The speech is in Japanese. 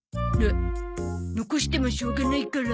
残してもしょうがないから。